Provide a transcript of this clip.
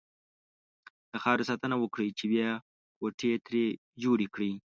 د خاورې ساتنه وکړئ! چې بيا کوټې ترې جوړې کړئ.